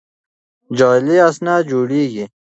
جعلي اسناد جوړېږي.